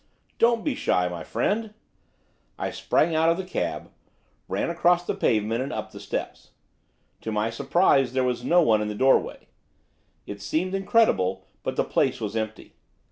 'Don't be shy, my friend!' I sprang out of the cab, ran across the pavement, and up the steps. To my surprise, there was no one in the doorway. It seemed incredible, but the place was empty.